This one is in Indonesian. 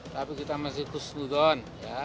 tapi kita masih kusudon